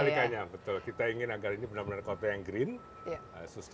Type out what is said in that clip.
kebalikannya betul kita ingin agar ini benar benar kota yang green sustainable